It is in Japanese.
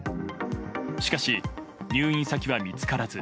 しかし、入院先は見つからず。